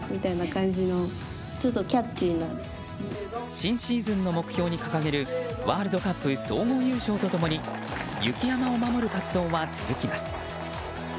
新シーズンの目標に掲げるワールドカップ総合優勝と共に雪山を守る活動は続きます。